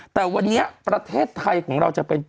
แต่วันนี้ประเทศไทยของเราจะเป็น